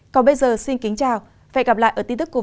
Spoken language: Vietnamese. còn bây giờ xin kính chào và hẹn gặp lại ở tin tức covid một mươi chín